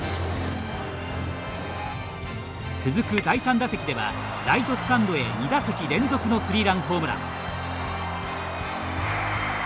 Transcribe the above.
続く第３打席ではライトスタンドへ２打席連続のスリーランホームラン。